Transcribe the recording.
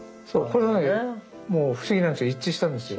これはねもう不思議なんですけど一致したんですよ。